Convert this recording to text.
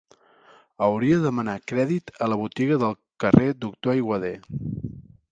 Hauria de demanar crèdit a la botiga del carrer Doctor Aiguader.